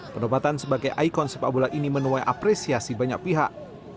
penobatan sebagai ikon sepak bola ini menuai apresiasi banyak pihak